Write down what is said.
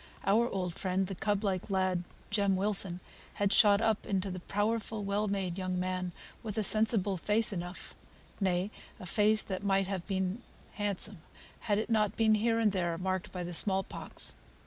Our old friend, the cub like lad, Jem Wilson, had shot up into the powerful, well made young man, with a sensible face enough; nay, a face that might have been handsome, had it not been here and there marked by the small pox.